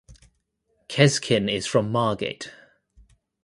Keskin is from Margate.